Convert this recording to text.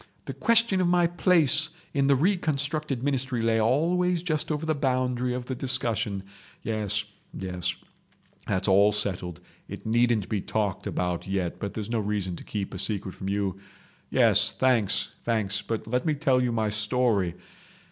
The question of my place in the reconstructed ministry lay always just over the boundary of the discussion. Yes—yes. That's all settled. It needn't be talked about yet, but there's no reason to keep a secret from you ..... Yes—thanks! thanks! But let me tell you my story.